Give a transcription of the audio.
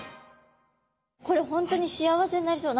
これ本当に幸せになりそう。